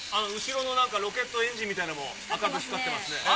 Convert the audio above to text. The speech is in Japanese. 後ろのなんかロケットエンジンみたいなのも赤く光ってますね。